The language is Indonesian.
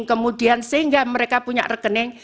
kemudian sehingga mereka punya rekening